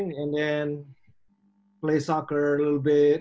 saya main bola sepak bola sedikit